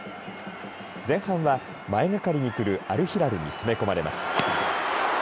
前半は前がかりに来るアルヒラルに攻め込まれます。